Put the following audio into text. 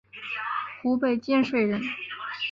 湖北蕲水人。